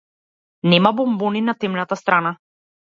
Нема бонбони на темната страна.